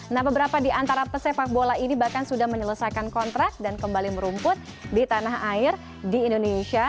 nah beberapa di antara pesepak bola ini bahkan sudah menyelesaikan kontrak dan kembali merumput di tanah air di indonesia